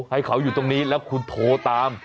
ให้เขาอยู่ตรงนี้แล้วคุณโทรตาม